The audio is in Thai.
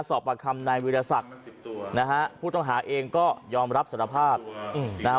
ประคำนายวิทยาศักดิ์นะฮะผู้ต้องหาเองก็ยอมรับสารภาพนะฮะ